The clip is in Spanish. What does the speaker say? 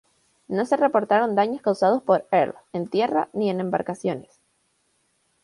No se reportaron daños causados por Earl en tierra ni en embarcaciones.